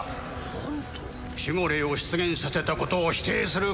・何と守護霊を出現させたことを否定するか？